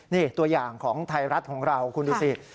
นี่ตัวอย่างของไทยรัฐของเราคุณดูสิ